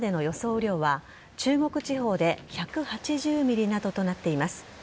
雨量は中国地方で１８０ｍｍなどとなっています。